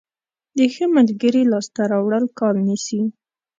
د ښه ملګري لاسته راوړل کال نیسي.